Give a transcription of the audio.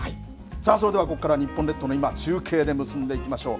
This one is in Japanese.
さあ、それではここからの日本列島の今中継で結んでいきましょう。